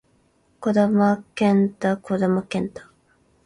児玉幹太児玉幹太